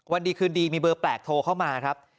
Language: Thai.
วันดีคืนดีมีเบอร์แปลกโทรเข้ามาครับ